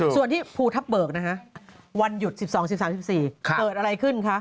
ส่วนที่ภูทับเบิกนะคะวันหยุด๑๒๑๓๑๔เกิดอะไรขึ้นคะ